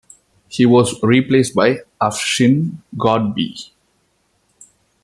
He was replaced by Afshin Ghotbi.